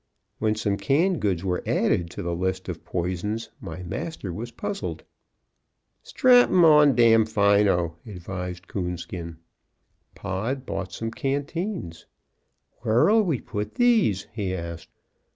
When some canned goods were added to the list of poisons, my master was puzzled. "Strap 'em on Damfino," advised Coonskin. Pod bought some canteens. "Where'll we put these?" he asked.